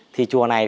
thì chùa này